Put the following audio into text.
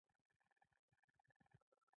اوکراین دمیلیاردونوډالروپه ارزښت کاني زېرمې لري.